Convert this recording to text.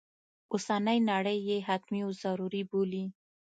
اوسنی نړی یې حتمي و ضروري بولي.